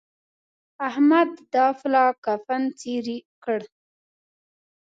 احمد دا پلا کفن څيرې کړ.